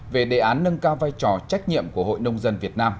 về đề án nâng cao vai trò trách nhiệm của hội nông dân việt nam